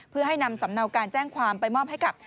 เพื่อให้นำสำนวการแจ้งความไปมอบ